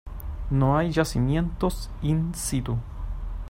No hay yacimientos "in situ".